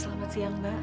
selamat siang ma